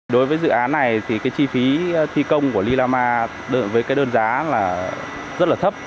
đối với dự án này thì cái chi phí thi công của lilama với cái đơn giá là rất là thấp